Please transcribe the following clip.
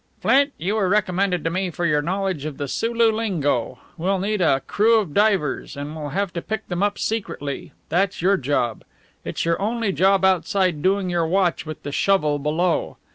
"Flint, you were recommended to me for your knowledge of the Sulu lingo. We'll need a crew of divers, and we'll have to pick them up secretly. That's your job. It's your only job outside doing your watch with the shovel below.